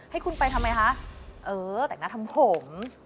ให้คุณไปทำไมคะเออแต่งหน้าทำผม